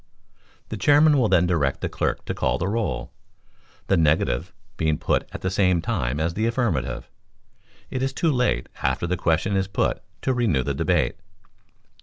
The Chairman will then direct the clerk to call the roll. The negative being put at the same time as the affirmative, it is too late, after the question is put, to renew the debate.